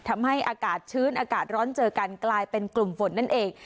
ทำให้อากาศชื้นอากาศร้อนเจอกันกลายเป็นกลุ่มฝนนั่นเอง